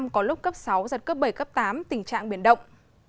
có lúc cấp sáu giật cấp bảy cấp tám tình trạng biển động